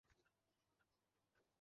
আমি পিটিশন দিয়ে লড়েছি।